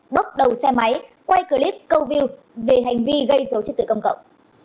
bốc đầu xe máy quay clip câu view về hành vi gây dấu chức tự công cộng